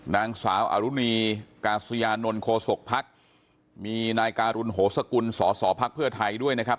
นางสาวอรุณีกาศยานนท์โคศกภักดิ์มีนายการุณโหสกุลสอสอภักดิ์เพื่อไทยด้วยนะครับ